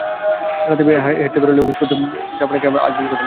রাতে হাঁটতে বেরোলেই অফিস ফেরত বিধ্বস্ত জাপানিজকে দেখলেই আজমের কথা মনে পড়ে।